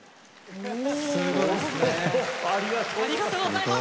すごいっすねえ！ありがとうございます！